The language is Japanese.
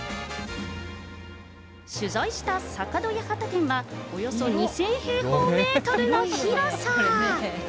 取材した坂戸八幡店は、およそ２０００平方メートルの広さ。